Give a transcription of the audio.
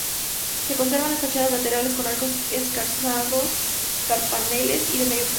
Se conservan las fachadas laterales con arcos escarzanos, carpaneles y de medio punto.